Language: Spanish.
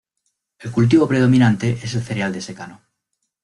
El cultivo predominante es el cereal de secano.